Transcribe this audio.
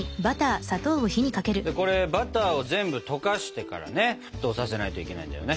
これバターを全部溶かしてからね沸騰させないといけないんだよね。